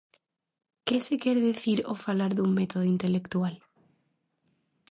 Que se quer dicir ao falar dun método intelectual?